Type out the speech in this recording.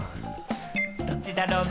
どっちだろうね？